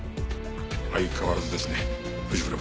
相変わらずですね藤倉部長。